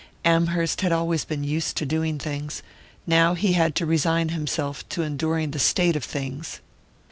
Amherst had always been used to doing things; now he had to resign himself to enduring a state of things.